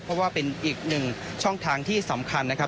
เพราะว่าเป็นอีกหนึ่งช่องทางที่สำคัญนะครับ